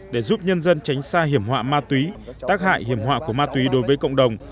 để giúp nhân dân tránh xa hiểm họa ma túy tác hại hiểm họa của ma túy đối với cộng đồng